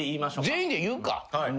全員で言うか。ＯＫ。